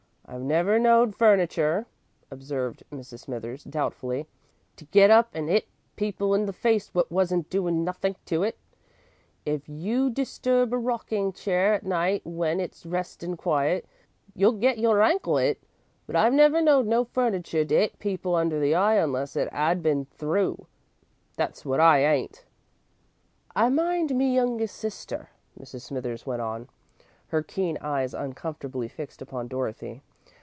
"I've never knowed furniture," observed Mrs. Smithers, doubtfully, "to get up and 'it people in the face wot wasn't doin' nothink to it. If you disturb a rockin' chair at night w'en it's restin' quiet, you'll get your ankle 'it, but I've never knowed no furniture to 'it people under the eye unless it 'ad been threw, that's wot I ain't. "I mind me of my youngest sister," Mrs. Smithers went on, her keen eyes uncomfortably fixed upon Dorothy.